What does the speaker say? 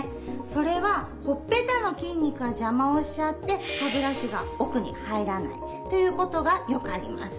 それはほっぺたの筋肉が邪魔をしちゃって歯ブラシが奥に入らないということがよくあります。